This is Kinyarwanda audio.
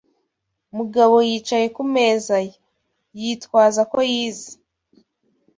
Mugabo yicaye ku meza ye, yitwaza ko yize.